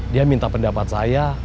dia minta pendapat saya